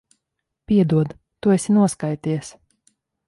Piedod. Tu esi noskaities.